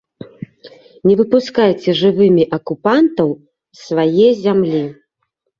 Не выпускайце жывымі акупантаў з свае зямлі!